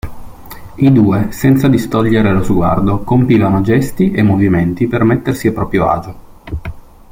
I due, senza distogliere lo sguardo, compivano gesti e movimenti per mettersi a proprio agio.